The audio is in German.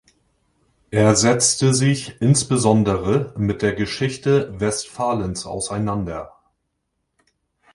Er setzte sich insbesondere mit der Geschichte Westfalens auseinander.